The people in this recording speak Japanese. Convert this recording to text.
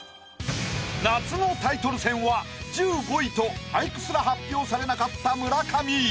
夏のタイトル戦は１５位と俳句すら発表されなかった村上。